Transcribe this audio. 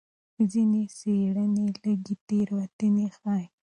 ځینې څېړنې لږې تېروتنې ښيي.